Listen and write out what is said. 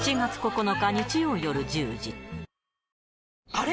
あれ？